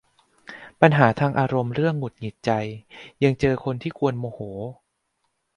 ปัญหาทางอารมณ์ เรื่องหงุดหงิดใจ ยังเจอคนที่กวนโมโห